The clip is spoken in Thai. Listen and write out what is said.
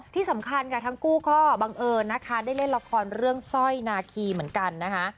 ที่สำคัญค่ะทั้งคู่ก็บังเอิญนะคะได้เล่นละครเรื่องสร้อยนาคีเหมือนกันนะคะ